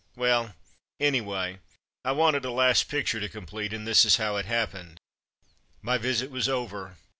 ''' Well, anyway, I wanted a last picture to complete, and this is how it happened. My visit was over.